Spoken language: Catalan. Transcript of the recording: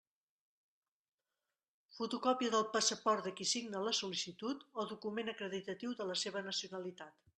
Fotocòpia del passaport de qui signa la sol·licitud o document acreditatiu de la seva nacionalitat.